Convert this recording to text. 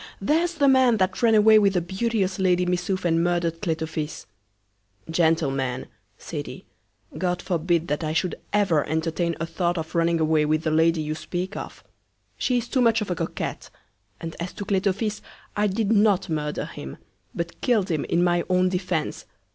there's the Man that ran away with the beauteous Lady Missouf, and murder'd Cletofis. Gentlemen, said he, God forbid that I should ever entertain a Thought of running away with the Lady you speak of: She is too much of a Coquet: And as to Cletofis, I did not murder him, but kill'd him in my own Defence.